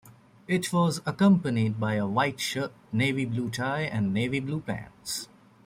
It was accompanied by a white shirt, navy blue tie, and navy blue pants.